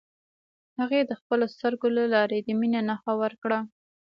هغې د خپلو سترګو له لارې د مینې نښه ورکړه.